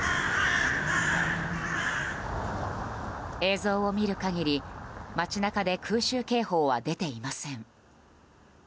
映像を見る限り街中で空襲警報は出ていません。